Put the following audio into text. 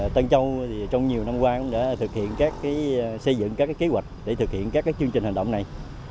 tân châu trong nhiều năm qua đã xây dựng các kế hoạch để thực hiện các chương trình hành động này